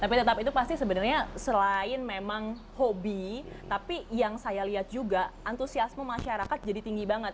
tapi tetap itu pasti sebenarnya selain memang hobi tapi yang saya lihat juga antusiasme masyarakat jadi tinggi banget